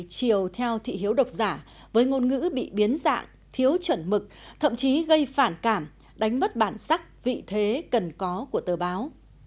chiều theo thị hiếu độc giả với ngôn ngữ bị biến dạng thiếu chuẩn mực thậm chí gây phản cảm đánh mất bản sắc vị thế cần có của tờ báo